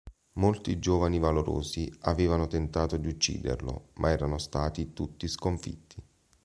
Molti giovani valorosi avevano tentato di ucciderlo ma erano stati tutti sconfitti.